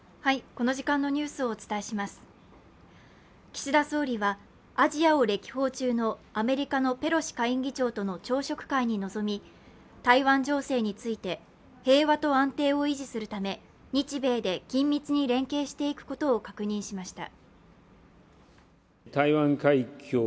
岸田総理は、アジアを歴訪中のアメリカのペロシ下院議長との朝食会に臨み台湾情勢について、平和と安定を維持するため日米で緊密に連携していくことを確認しました。